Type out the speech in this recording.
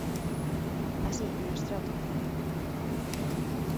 Así en abstracto.